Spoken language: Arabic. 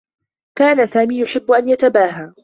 كان سامي يحبّ أن يتباهى.